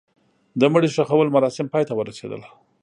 د مړي ښخولو مراسم پای ته ورسېدل.